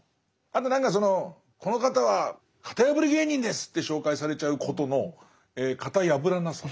あと何かその「この方は型破り芸人です！」って紹介されちゃうことの型破らなさ。